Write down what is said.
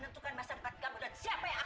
nek saya mau tanya sesuatu nek